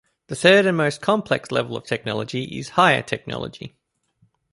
The third and most complex level of technology is 'higher technology'.